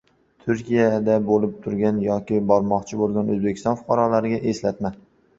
Turkiyada bo‘lib turgan yoki bormoqchi bo‘lgan O‘zbekiston fuqarolariga eslatma